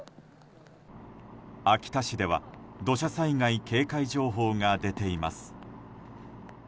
秋田市では土砂災害警戒情報が出ていました。